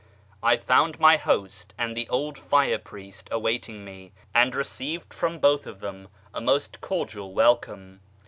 I found my host and the old fire priest awaiting me, and received from both of them a most cordial welcome.